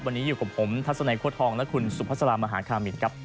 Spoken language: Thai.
วันนี้อยู่กับผมทัศนัยโค้ทองและคุณสุภาษาลามหาคามินครับ